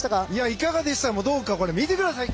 いかがでしたかもこれ、見てください。